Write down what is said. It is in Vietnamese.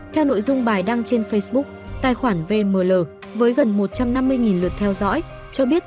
theo nội dung bài đăng trên facebook tài khoản vnl với gần một trăm năm mươi lượt theo dõi cho biết